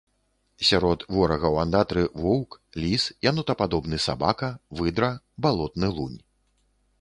Сярод ворагаў андатры воўк, ліс, янотападобны сабака, выдра, балотны лунь.